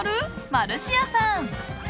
マルシアさん。